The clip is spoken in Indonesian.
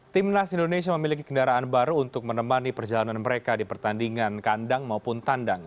timnas indonesia memiliki kendaraan baru untuk menemani perjalanan mereka di pertandingan kandang maupun tandang